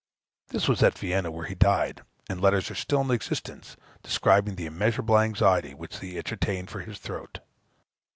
This was at Vienna, where he died; and letters are still in existence, describing the immeasurable anxiety which he entertained for his throat.